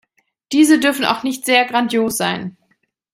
Diese dürfen auch nicht sehr grandios sein.